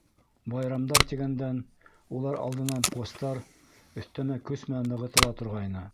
Байрамдар тигәндән, улар алдынан постар өҫтәмә көс менән нығытыла торғайны.